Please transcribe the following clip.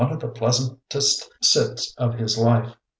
of the pleasantest sits" of his life.'